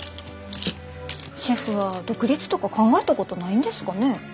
シェフは独立とか考えたことないんですかね？